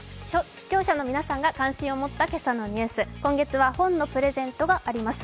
視聴者の皆さんが関心を持ったニュース、今月は本のプレゼントがあります。